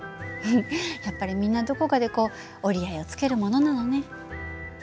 やっぱりみんなどこかでこう折り合いをつけるものなのね。